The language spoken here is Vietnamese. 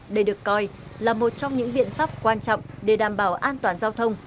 đây được coi là một trong những biện pháp quan trọng để đảm bảo an toàn giao thông